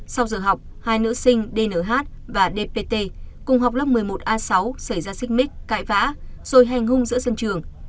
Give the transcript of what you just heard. sau giờ học hai nữ sinh dnh và dpt cùng học lớp một mươi một a sáu xảy ra xích mít cãi vã rồi hành hung giữa sân trường